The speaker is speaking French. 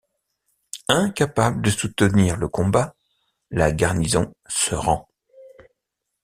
Incapable de soutenir le combat, la garnison se rend.